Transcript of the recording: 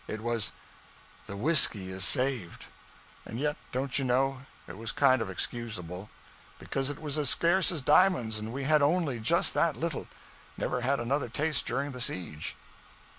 It was 'the whiskey is saved.' And yet, don't you know, it was kind of excusable; because it was as scarce as diamonds, and we had only just that little; never had another taste during the siege.